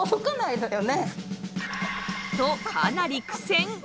とかなり苦戦